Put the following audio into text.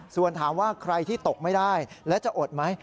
ส่วนถามว่าใครที่ตกไม่ได้และจะอดไหม